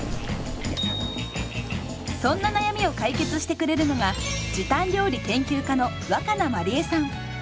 そんな悩みを解決してくれるのが時短料理研究家の若菜まりえさん。